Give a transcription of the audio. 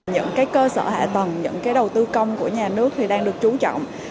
những cơ sở hạ tầng những đầu tư công của nhà nước thì đang được trú trọng